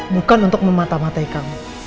bukan untuk mematah matahi kamu